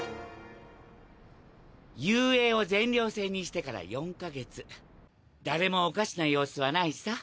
雄英を全寮制にしてから４か月誰も可怪しな様子はないさ。